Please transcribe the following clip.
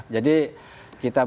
jadi kita balik